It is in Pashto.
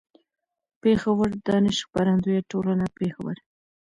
پېښور: دانش خپرندويه ټولنه، پېښور